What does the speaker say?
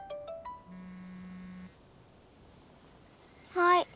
はい？